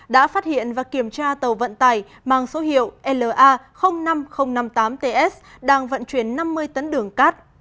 đã phát hiện và kiểm tra tàu vận tải mang số hiệu la năm nghìn năm mươi tám ts đang vận chuyển năm mươi tấn đường cát